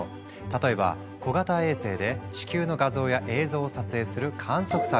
例えば小型衛星で地球の画像や映像を撮影する観測サービス。